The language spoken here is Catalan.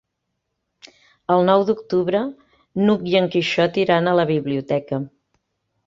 El nou d'octubre n'Hug i en Quixot iran a la biblioteca.